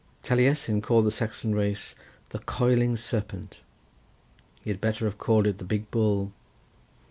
Taliesin called the Saxon race the Coiling Serpent. He had better have called it the Big Bull.